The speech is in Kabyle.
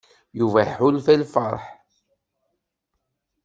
Yuba iḥulfa i lfeṛḥ.